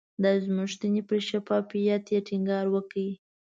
د ازموینې پر شفافیت یې ټینګار وکړ.